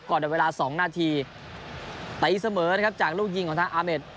ก่อนเดินเวลา๒นาทีแต่อีกเสมอนะครับจากลูกยิงของทางอาเมด